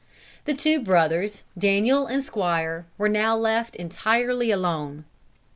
The two brothers, Daniel and Squire, were now left entirely alone.